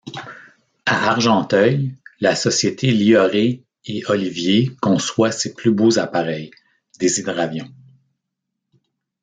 À Argenteuil, la Société Lioré et Olivier conçoit ses plus beaux appareils, des hydravions.